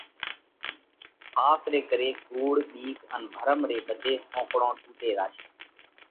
ۿاس ري ڪري ڪُوڙ، ٻِيڪ ان ڀرم ري ٻڌي ۿونڪۯون ٽُوٽي زاشي۔